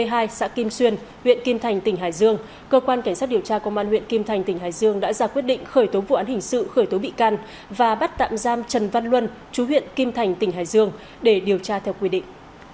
tại kim xuyên huyện kim thành tỉnh hải dương cơ quan cảnh sát điều tra công an huyện kim thành tỉnh hải dương đã ra quyết định khởi tố vụ án hình sự khởi tố bị can và bắt tạm giam trần văn luân chú huyện kim thành tỉnh hải dương để điều tra theo quy định